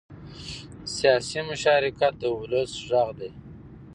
سیاسي مشارکت د ولس غږ دی